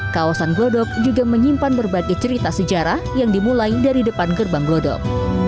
kawasan glodok juga menyimpan berbagai cerita sejarah yang dimulai dari depan gerbang glodok